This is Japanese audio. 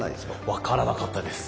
分からなかったです。